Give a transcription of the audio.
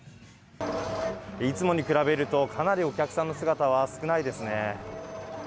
いつもに比べると、かなりお客さんの姿は少ないですね。